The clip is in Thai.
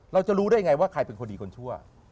เราจะรู้ได้ไงว่าใครเป็นคนดีคนชั่ว